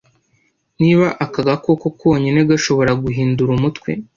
Ni aka gakoko konyine gashobora guhindura umutwe